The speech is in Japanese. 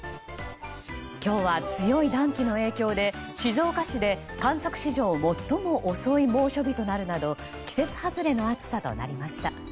今日は強い暖気の影響で静岡市で観測史上最も遅い猛暑日となるなど季節外れの暑さとなりました。